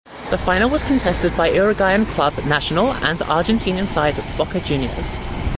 The final was contested by Uruguayan club Nacional and Argentine side Boca Juniors.